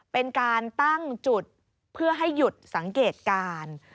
เป็นการตั้งจุดเพื่อให้หยุดสังเกตการ